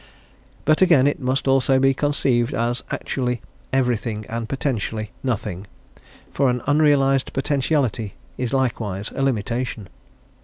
But again, it must also be conceived as actually everything and potentially nothing; for an unrealised potentiality is likewise a limitation.